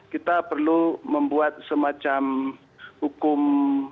kita perlu membuat semacam hukum